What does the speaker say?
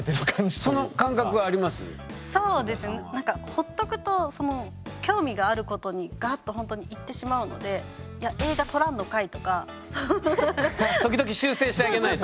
ほっとくと興味があることにガッとほんとに行ってしまうのでいや時々修正してあげないと。